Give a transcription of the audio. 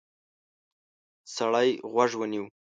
سړی غوږ ونیو.